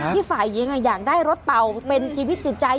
ฝ่ายหญิงอยากได้รถเป่าเป็นชีวิตจิตใจ